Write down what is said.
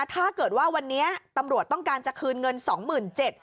ถ้าเกิดว่าวันนี้ตำรวจต้องการจะคืนเงินสองหมื่นเจ็ด